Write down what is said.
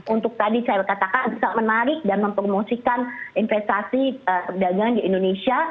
untuk tadi saya katakan bisa menarik dan mempromosikan investasi perdagangan di indonesia